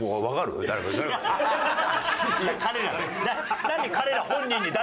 いや彼ら何。